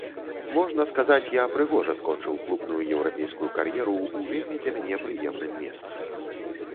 Можна сказаць, я прыгожа скончыў клубную еўрапейскую кар'еру ў вельмі для мяне прыемным месцы.